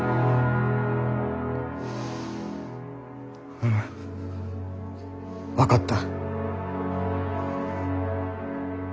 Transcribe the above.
うむ分かった。